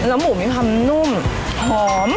แล้วหมูมีความนุ่มหอม